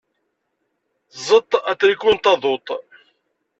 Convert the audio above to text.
Tzeṭṭ atriku n taduṭ.